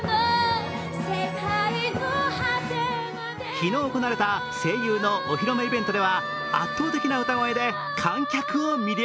昨日行われた声優のお披露目イベントでは圧倒的な歌声で観客を魅了。